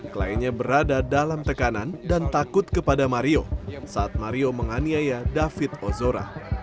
kliennya berada dalam tekanan dan takut kepada mario saat mario menganiaya david ozora